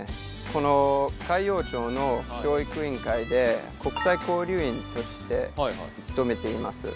この海陽町の教育委員会で国際交流員として勤めています。